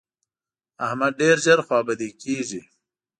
احمد ډېر ژر خوابدی کېږي.